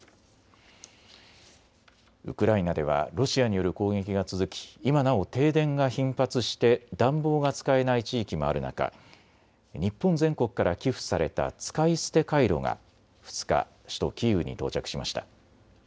ウクライナではロシアによる攻撃が続き今なお停電が頻発して暖房が使えない地域もある中、日本全国から寄付された使い捨てカイロが２日、首都キーウに到着しました。